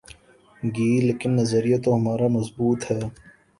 گی لیکن نظریہ تو ہمارا مضبوط ہے۔